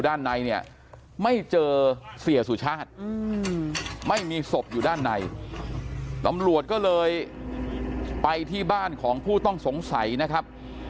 ด้านในเนี่ยไม่เจอเสียสุชาติไม่มีศพอยู่ด้านในตำรวจก็เลยไปที่บ้านของผู้ต้องสงสัยนะครับ